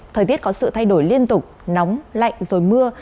thời tiết có sự thay đổi liên tục nóng lạnh rồi mưa